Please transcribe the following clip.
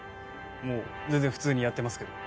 もう全然普通にやってますけど。